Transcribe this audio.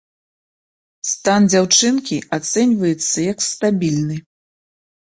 Стан дзяўчынкі ацэньваецца як стабільны.